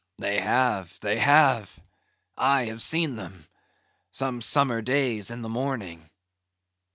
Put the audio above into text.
"They have, they have. I have seen them—some summer days in the morning.